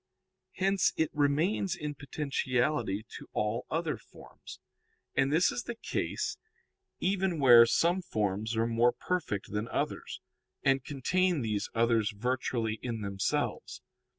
Hence it remains in potentiality to all other forms. And this is the case even where some forms are more perfect than others, and contain these others virtually in themselves.